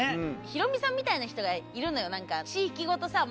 ヒロミさんみたいな人がいるのよ